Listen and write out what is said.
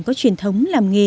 có truyền thống làm nghề